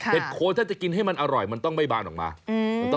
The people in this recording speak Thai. โคนถ้าจะกินให้มันอร่อยมันต้องไม่บานออกมา